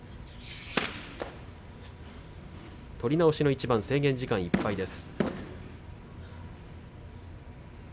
取り直しの一番制限時間いっぱいです。